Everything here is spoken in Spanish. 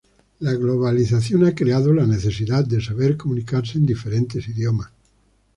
La globalización ha creado la necesidad de saber comunicarse en diferentes idiomas.